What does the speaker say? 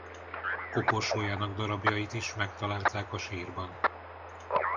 Koporsójának darabjait is megtalálták a sírban.